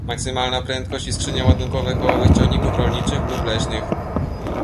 Maksymalna prędkość i skrzynie ładunkowe kołowych ciągników rolniczych lub leśnych